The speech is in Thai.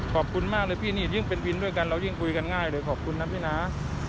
ขอบคุณมากเลยพี่นี่ยิ่งเป็นวินด้วยกันเรายิ่งคุยกันง่ายเลยขอบคุณนะพี่นะ